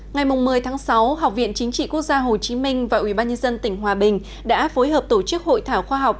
ngày một mươi tháng sáu học viện chính trị quốc gia hồ chí minh và ubnd tp đã phối hợp tổ chức hội thảo khoa học